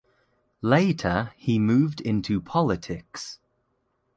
Later he moved into politics.